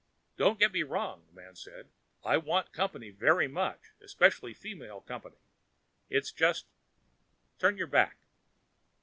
"Don't get me wrong," the man said. "I want company very much, especially female company. It's just Turn your back."